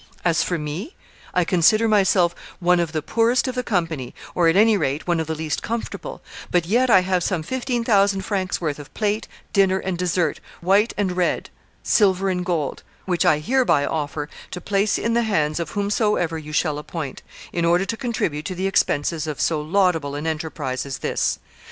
As for me, I consider myself one of the poorest of the company, or at any rate one of the least comfortable; but yet I have some fifteen thousand francs' worth of plate, dinner and dessert, white and red [silver and gold], which I hereby offer to place in the hands of whomsoever you shall appoint, in order to contribute to the expenses of so laudable an enterprise as this.